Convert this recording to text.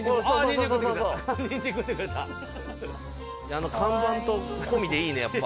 あの看板と込みでいいねやっぱ。